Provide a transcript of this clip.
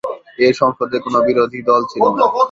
এ সংসদে কোন বিরোধী দল ছিল না।